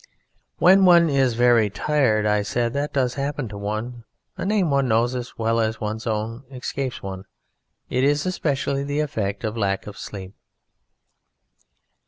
"When one is very tired," I said, "that does happen to one: a name one knows as well as one's own escapes one. It is especially the effect of lack of sleep."